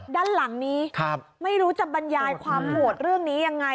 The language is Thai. ด้านหลังนี้ไม่รู้จะบรรยายความโหดเรื่องนี้ยังไง